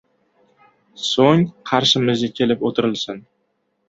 So‘ng, qarshimizga kelib o‘tirilsin!